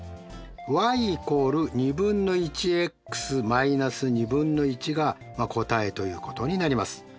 ｙ＝ｘ−が答えということになります。